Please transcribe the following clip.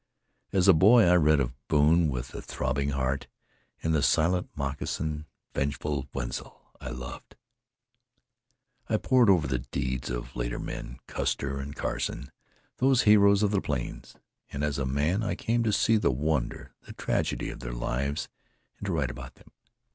As a boy I read of Boone with a throbbing heart, and the silent moccasined, vengeful Wetzel I loved. I pored over the deeds of later men Custer and Carson, those heroes of the plains. And as a man I came to see the wonder, the tragedy of their lives, and to write about them.